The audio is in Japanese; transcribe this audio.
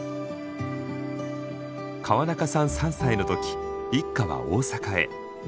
川中さん３歳の時一家は大阪へ。